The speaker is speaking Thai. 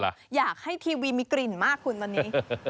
อยากให้ทีวีมีกลิ่นมากคุณตอนนี้